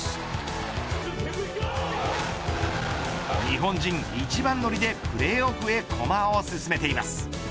日本人一番乗りでプレーオフへ駒を進めています。